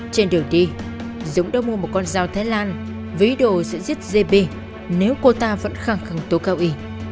trên đường đi dũng đã mua một con dao thái lan với ý đồ sẽ giết giê bê nếu cô ta vẫn khẳng khẳng tố cáo y